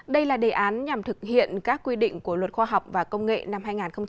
đây là đề án nhằm thực hiện các quy định của luật khoa học và công nghệ năm hai nghìn một mươi ba